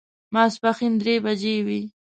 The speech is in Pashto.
ماسپښین درې بجې وې.